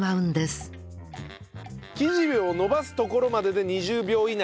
生地を伸ばすところまでで２０秒以内。